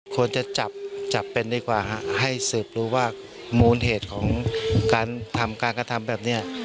ควรจะจับจับเป็นดีกว่าฮะให้สืบรู้ว่ามูลเหตุของการทำการกระทำแบบนี้